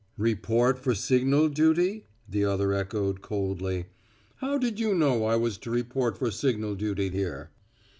"Report for signal duty?" the other echoed coldly. "How did you know I was to report for signal duty here?"